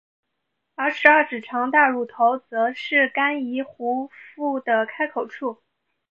而十二指肠大乳头则是肝胰壶腹的开口处。